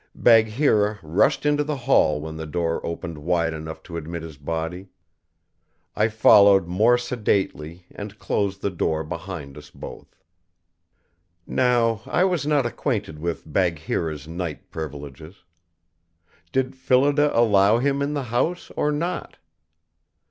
Bagheera rushed into the hall when the door opened wide enough to admit his body. I followed more sedately and closed the door behind us both. Now I was not acquainted with Bagheera's night privileges. Did Phillida allow him in the house, or not?